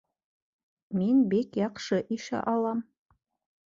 Мин бик яҡшы ишә алам